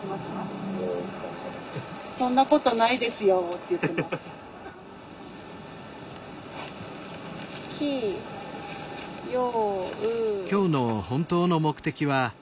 「そんなことないですよ」って言ってます。